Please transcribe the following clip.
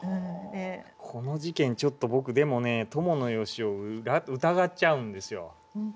この事件ちょっと僕でもね伴善男を疑っちゃうんですよ。